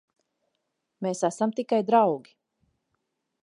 Mēs esam tikai draugi.